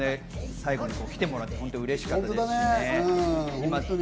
最後に来てもらって、うれしかったです！